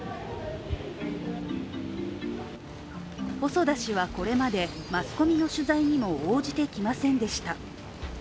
細田氏はこれまでマスコミの取材にも応じてきませんでした。